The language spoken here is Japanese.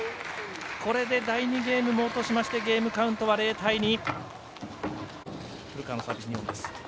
これで、第２ゲームも落としてゲームカウントは０対２。